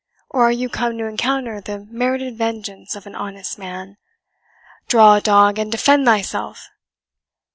Or are you come to encounter the merited vengeance of an honest man? Draw, dog, and defend thyself!"